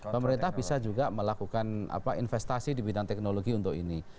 pemerintah bisa juga melakukan investasi di bidang teknologi untuk ini